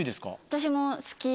私も好きで。